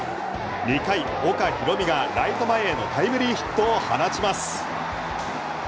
２回、岡大海がライト前へのタイムリーヒットを放ちます。